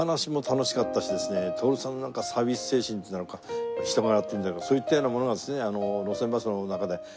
徹さんのサービス精神っていうんだろうか人柄っていうんだろうかそういったようなものがですね。